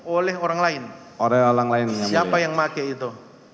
oleh orang lain siapa yang pakai itu